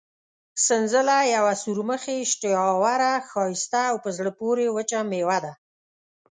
سنځله یوه سورمخې، اشتها اوره، ښایسته او په زړه پورې وچه مېوه ده.